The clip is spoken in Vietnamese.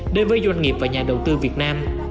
đến với doanh nghiệp và nhà đầu tư việt nam